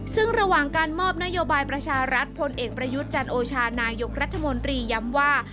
ซึ่งระหว่างการมอบนโยบายประชารัฐพลเอกประยุทธ์จันโอชานายกรัฐมนตรีย้ำว่า